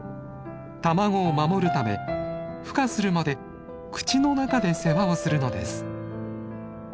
卵を守るためふ化するまで口の中で世話をするのです。